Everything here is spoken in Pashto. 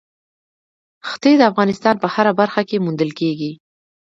ښتې د افغانستان په هره برخه کې موندل کېږي.